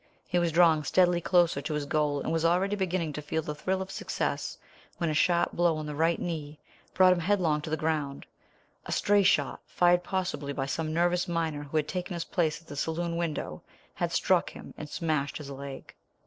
He was drawing steadily closer to his goal, and was already beginning to feel the thrill of success, when a sharp blow on the right knee brought him headlong to the ground. A stray shot, fired possibly by some nervous miner who had taken his place at the saloon window, had struck him and smashed his leg.